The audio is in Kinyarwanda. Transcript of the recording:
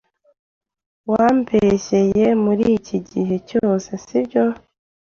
Wambeshyeye muri iki gihe cyose, si byo?